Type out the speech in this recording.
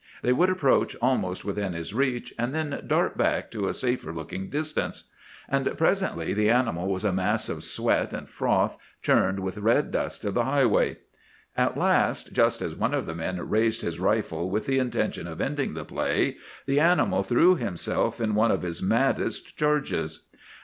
They would approach almost within his reach, and then dart back to a safer looking distance; and presently the animal was a mass of sweat and froth, churned with red dust of the highway. At last, just as one of the men raised his rifle with the intention of ending the play, the animal threw himself in one of his maddest charges.